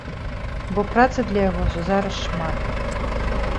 Бо працы для яго зараз шмат.